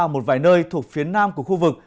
một vài nơi thuộc phía nam của khu vực